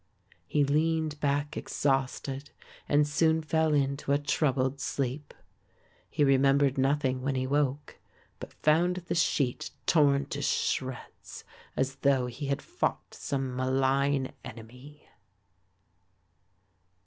He leaned back exhausted and soon fell into a troubled sleep. He remembered nothing when he woke, but found the sheet torn to shreds, as though he had fought some malign enemy.